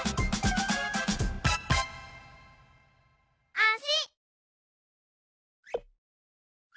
あし。